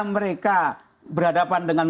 mereka berhadapan dengan